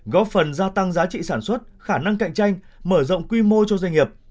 góp phần gia tăng giá trị sản xuất khả năng cạnh tranh mở rộng quy mô cho doanh nghiệp